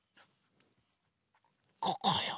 ここよ。